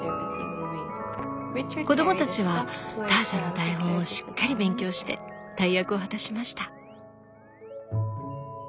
子供たちはターシャの台本をしっかり勉強して大役を果たしました。